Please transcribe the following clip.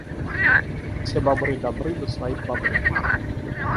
Все бобры добры до своих бобрят.